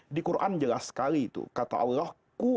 di quran jelas sekali itu kata allah